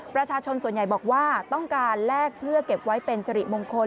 ประชาชนส่วนใหญ่บอกว่าต้องการแลกเพื่อเก็บไว้เป็นสิริมงคล